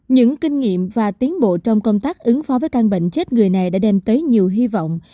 những kinh nghiệm và tiến bộ trong công tác ứng phó với căn bệnh chết người này đã đem tới nhiều hy vọng